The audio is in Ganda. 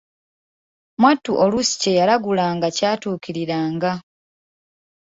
Mwattu oluusi kyeyalagulanga kyatuukiriranga!